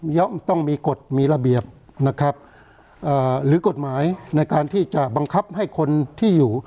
ต้องมีกฎมีระเบียบนะครับเอ่อหรือกฎหมายในการที่จะบังคับให้คนที่อยู่